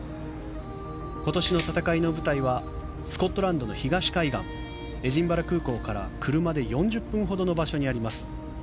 今年の戦いの舞台はスコットランドの東海岸エディンバラ空港から、車で４０分ほどの場所にあります。